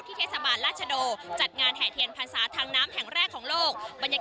เทศบาลราชโดจัดงานแห่เทียนพรรษาทางน้ำแห่งแรกของโลก